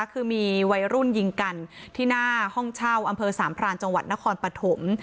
คือมีวัยรุ่นยิงกันที่หน้าห้องเช่าอำเภอสามพรานจังหวัดนครปฐม